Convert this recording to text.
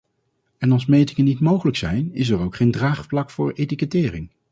En als metingen niet mogelijk zijn, is er ook geen draagvlak voor etikettering.